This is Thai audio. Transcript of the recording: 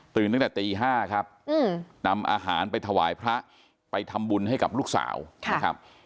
ตั้งแต่ตี๕ครับนำอาหารไปถวายพระไปทำบุญให้กับลูกสาวนะครับ